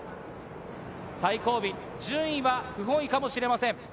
最後尾、順位は不本意かもしれません。